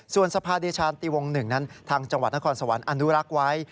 ส่วนสภาเดชานตีวง๑นั้นทางจังหวัดนครสวรรค์อนุรักษ์ไว้